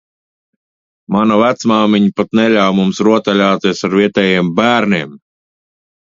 Mana vecmāmiņa pat neļāva mums rotaļāties ar vietējiem bērniem.